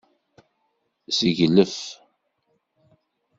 Seglef.